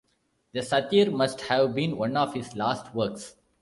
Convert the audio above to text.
The "Satyr" must have been one of his last works.